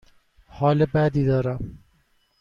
حال بدی دارم.